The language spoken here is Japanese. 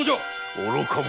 愚か者。